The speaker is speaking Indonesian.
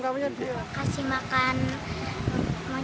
kasih makan monyet